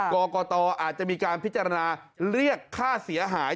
กรกตอาจจะมีการพิจารณาเรียกค่าเสียหาย